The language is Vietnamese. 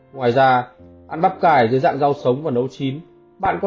ngoài ra ăn bắp cải dưới dạng rau sống và nấu chín